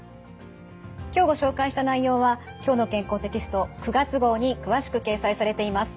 今日ご紹介した内容は「きょうの健康」テキスト９月号に詳しく掲載されています。